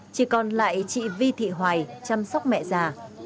chỉ còn lại chị vi thị hoài chăm sóc mẹ già